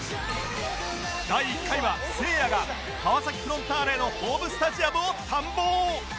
第１回はせいやが川崎フロンターレのホームスタジアムを探訪